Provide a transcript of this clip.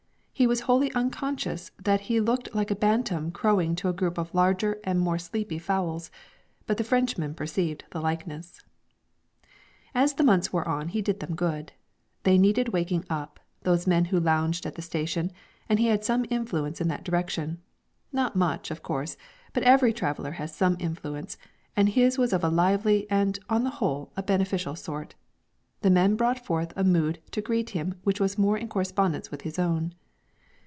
He was wholly unconscious that he looked like a bantam crowing to a group of larger and more sleepy fowls, but the Frenchmen perceived the likeness. As the months wore on he did them good. They needed waking up, those men who lounged at the station, and he had some influence in that direction; not much, of course, but every traveller has some influence, and his was of a lively, and, on the whole, of a beneficial sort. The men brought forth a mood to greet him which was more in correspondence with his own.